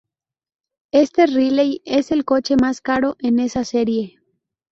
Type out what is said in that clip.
Este Riley es el coche más caro en esa serie.